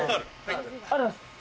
ありがとうございます。